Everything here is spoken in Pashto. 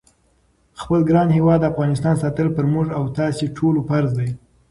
خپل ګران هیواد افغانستان ساتل پر موږ او تاسی ټولوفرض دی